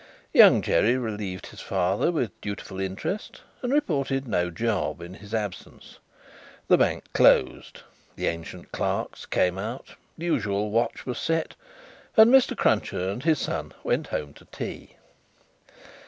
Young Jerry relieved his father with dutiful interest, and reported No job in his absence. The bank closed, the ancient clerks came out, the usual watch was set, and Mr. Cruncher and his son went home to tea.